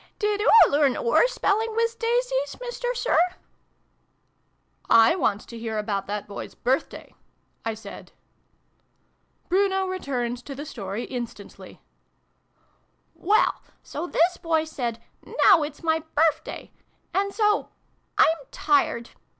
Did oo learn oor spelling wiz daisies, Mister Sir ?"" I want to hear about that Boy's Birthday'' I said. Bruno returned to the story instantly. " Well, so this Boy said 'Now it's my Birth day !' And so I'm tired